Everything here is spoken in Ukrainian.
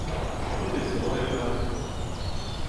Тут і село якраз.